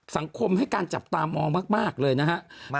สังคมให้การจับตามองมากเลยนะฮะ